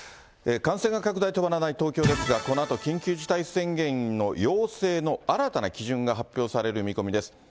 感染拡大が止まらない東京ですが、このあと、緊急事態宣言の要請の新たな基準が発表される見込みです。